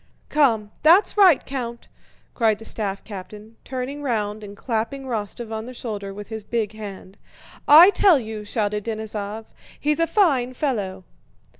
"Come, that's right, Count!" cried the staff captain, turning round and clapping Rostóv on the shoulder with his big hand. "I tell you," shouted Denísov, "he's a fine fellow."